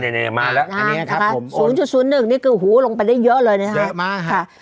อันนี้ครับครับ๐๐๑นี่คือหูลงไปได้เยอะเลยนะครับเยอะมากค่ะ